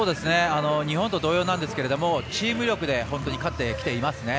日本と同様なんですがチーム力で本当に勝ってきていますね。